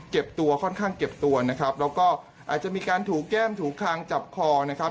ตัวค่อนข้างเก็บตัวนะครับแล้วก็อาจจะมีการถูกแก้มถูกคางจับคอนะครับ